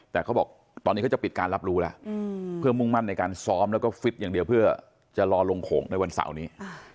แต่เขาบอกตอนนี้เขาจะปิดการรับรู้แล้วเพื่อมุ่งมั่นในการซ้อมแล้วก็ฟิตอย่างเดียวเพื่อจะรอลงโขงในวันเสาร์นี้